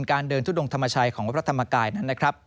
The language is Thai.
การเดินทุดลงธรรมชัยของวัชครัฐธรรมากายนะครับ